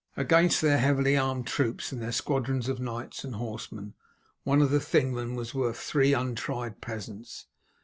Against their heavily armed troops and their squadrons of knights and horsemen one of the Thingmen was worth three untried peasants.